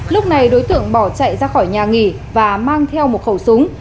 lúc này đối tượng bỏ chạy ra khỏi nhà nghỉ và mang theo một khẩu súng